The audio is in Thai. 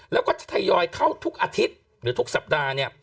แล้วก็จะทยอยเข้าทุกอาทิตย์หรือทุกสัปดาห์เนี่ย